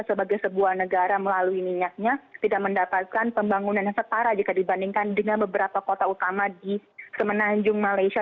sebagai sebuah negara melalui minyaknya tidak mendapatkan pembangunan yang setara jika dibandingkan dengan beberapa kota utama di semenanjung malaysia